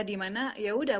dimana ya udah